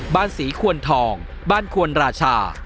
บ้านศรีควรทองบ้านควนราชา